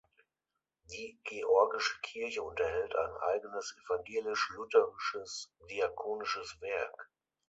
Die Georgische Kirche unterhält ein eigenes Evangelisch-Lutherisches Diakonisches Werk.